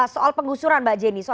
soal penggusuran mbak jenny